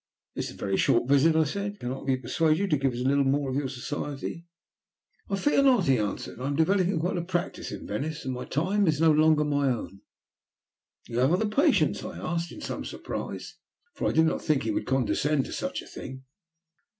"This is a very short visit," I said. "Cannot we persuade you to give us a little more of your society?" "I fear not," he answered. "I am developing quite a practice in Venice, and my time is no longer my own." "You have other patients?" I asked, in some surprise, for I did not think he would condescend to such a thing.